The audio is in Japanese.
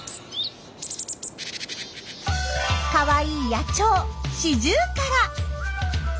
かわいい野鳥シジュウカラ。